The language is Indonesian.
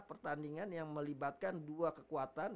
pertandingan yang melibatkan dua kekuatan